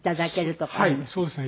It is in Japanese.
はいそうですね。